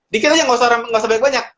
dikit aja nggak usah banyak banyak